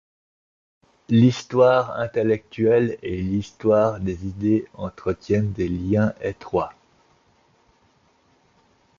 L'histoire intellectuelle et l'histoire des idées entretiennent des liens étroits.